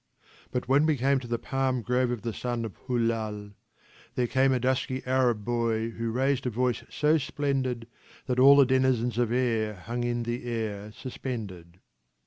But when we came to the palm grove of the son of Hulal There came a dusky Arab boy who raised a voice so splendid, That all the denizens of air hung in the air suspended.